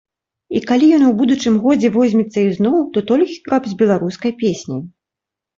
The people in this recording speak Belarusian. І калі ён у будучым годзе возьмецца ізноў, то толькі каб з беларускай песняй.